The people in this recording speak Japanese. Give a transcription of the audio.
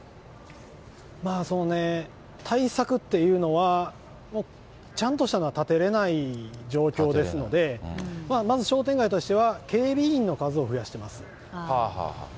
まあそうね、対策っていうのは、ちゃんとしたのは立てれない状況ですので、まず商店街としては、警備員の数を増やしてます。